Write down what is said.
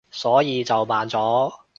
所以就慢咗